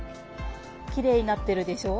きれいになってるでしょう？